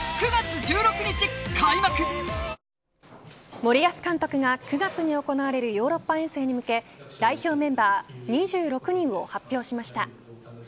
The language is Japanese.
森保監督が９月に行われるヨーロッパ遠征に向け代表メンバー２６人を発表しました。